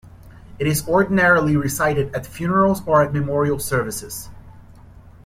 It is ordinarily recited at funerals or at memorial services.